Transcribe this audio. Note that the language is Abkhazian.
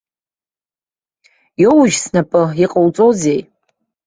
Иоужь снапы, иҟауҵозеи?